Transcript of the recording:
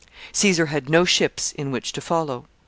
] Caesar had no ships in which to follow.